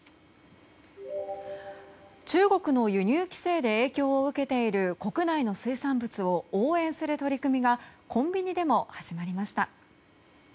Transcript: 中国の輸入規制で影響を受けている国内の水産物を応援する取り組みがコンビニでも始まりました。